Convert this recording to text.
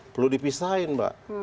perlu dipisahin mbak